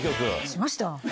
しました。